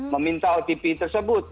meminta otp tersebut